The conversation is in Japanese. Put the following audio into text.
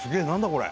これ。